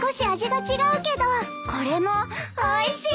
これもおいしい！